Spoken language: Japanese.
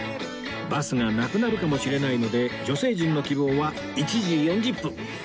バスがなくなるかもしれないので女性陣の希望は１時４０分